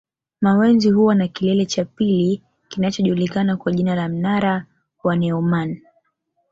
Mawenzi huwa na kilele cha pili kinachojulikana kwa jina la mnara wa Neumann